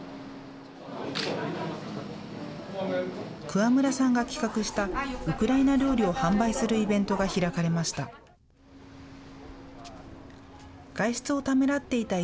桑村さんが企画した、ウクライナ料理を販売するイベントが開かれました。